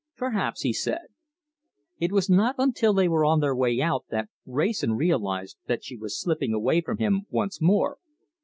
"Perhaps," he said. It was not until they were on their way out that Wrayson realized that she was slipping away from him once more.